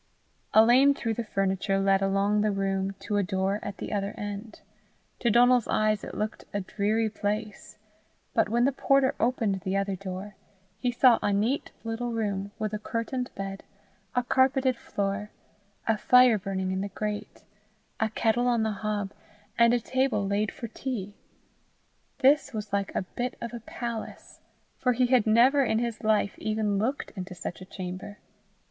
A lane through the furniture led along the room to a door at the other end. To Donal's eyes it looked a dreary place; but when the porter opened the other door, he saw a neat little room with a curtained bed, a carpeted floor, a fire burning in the grate, a kettle on the hob, and the table laid for tea: this was like a bit of a palace, for he had never in his life even looked into such a chamber.